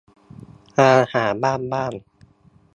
อาหารบ้านบ้าน